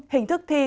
hình thức thi